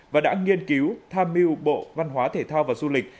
và đã nghiên cứu tham mưu bộ văn hóa thể thao và du lịch